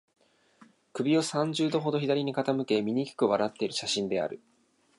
首を三十度ほど左に傾け、醜く笑っている写真である